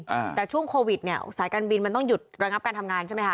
อ่าแต่ช่วงโควิดเนี้ยสายการบินมันต้องหยุดระงับการทำงานใช่ไหมคะ